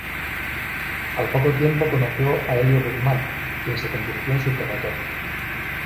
Al poco tiempo conoció a Elio Guzmán, quien se convirtió en su promotor.